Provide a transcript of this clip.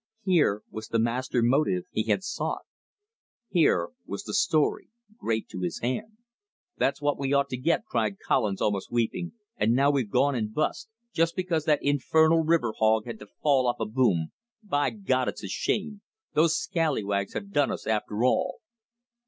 Here was the master motive he had sought; here was the story great to his hand! "That's what we ought to get," cried Collins, almost weeping, "and now we've gone and bust, just because that infernal river hog had to fall off a boom. By God, it's a shame! Those scalawags have done us after all!"